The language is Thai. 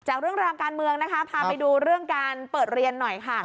จากเรื่องราวการเมืองนะคะพาไปดูเรื่องการเปิดเรียนหน่อยค่ะ